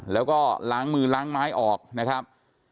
แล้วก็ล้างมือล้างไม้ออกนะครับ